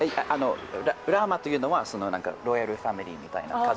ラーマというのはロイヤルファミリーみたいな家族。